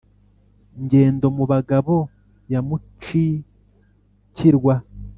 ngendo mu bagabo ya mucikirwa